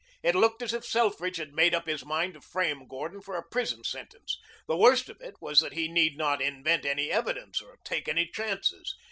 It looked as if Selfridge had made up his mind to frame Gordon for a prison sentence. The worst of it was that he need not invent any evidence or take any chances.